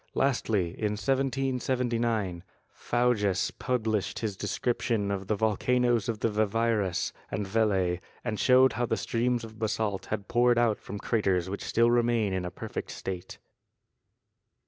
Lastly, in 1779, Faujas published his description of the volcanoes of the Vivarais and Velay and showed how the streams of basalt had poured out from craters which still remain in a perfect state.